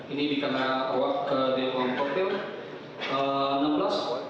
ini di kamera ruang kopil